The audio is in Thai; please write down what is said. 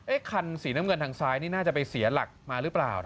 คันสีน้ำเงินทางซ้ายนี่น่าจะไปเสียหลักมาหรือเปล่า